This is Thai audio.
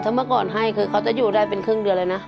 ถ้าเมื่อก่อนให้คือเขาจะอยู่ได้เป็นครึ่งเดือนเลยนะ